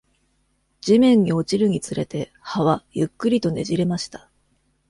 地面に落ちるにつれて、葉はゆっくりとねじれました。